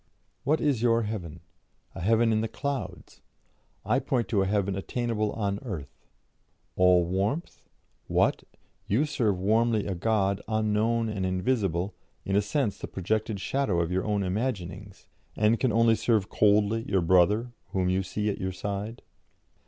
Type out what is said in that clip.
What is your heaven? A heaven in the clouds! I point to a heaven attainable on earth. 'All warmth'? What! you serve warmly a God unknown and invisible, in a sense the projected shadow of your own imaginings, and can only serve coldly your brother whom you see at your side?